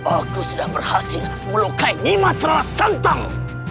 aku sudah berhasil melukai lima serasantang